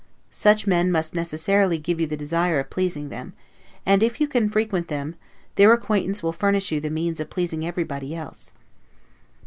Such men must necessarily give you the desire of pleasing them; and if you can frequent them, their acquaintance will furnish you the means of pleasing everybody else.